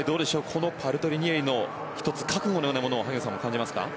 このパルトリニエリの１つ、覚悟のようなものを萩野さんも感じますか？